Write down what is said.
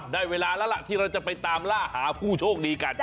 ได้เวลาแล้วล่ะที่เราจะไปตามล่าหาผู้โชคดีกัน